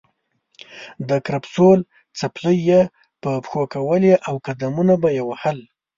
د کرپسول څپلۍ یې په پښو کولې او قدمونه به یې وهل.